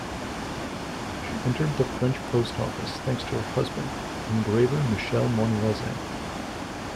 She entered the French post office thanks to her husband, engraver Michel Monvoisin.